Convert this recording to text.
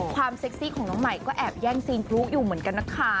เซ็กซี่ของน้องใหม่ก็แอบแย่งซีนพลุอยู่เหมือนกันนะคะ